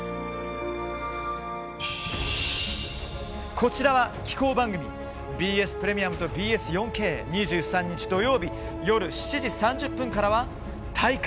こちらは紀行番組ＢＳプレミアムとＢＳ４Ｋ２３日土曜日夜７時３０分からは「体感！